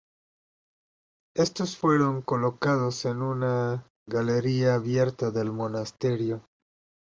Estos fueron colocados en una galería abierta del monasterio.